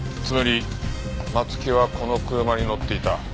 つまり松木はこの車に乗っていた。